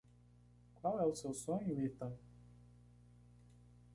Qual é o seu sonho, Ethan?